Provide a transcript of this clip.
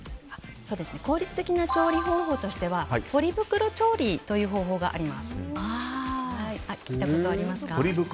効率的な調理方法としてはポリ袋調理という方法があります。